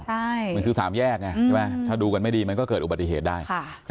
ใช่มันคือ๓แยกไงใช่ไหมถ้าดูกันไม่ดีมันก็เกิดอุบัติเหตุได้